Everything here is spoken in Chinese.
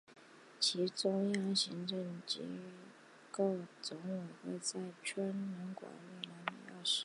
其中央行政机构总务院在仁川广域市南洞区的药师寺。